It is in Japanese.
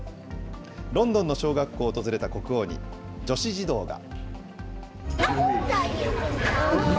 ロンドンの小学校を訪れた国王に、女子児童が。